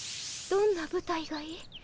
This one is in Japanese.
どんな舞台がいい？